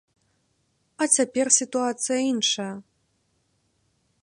А цяпер сітуацыя іншая.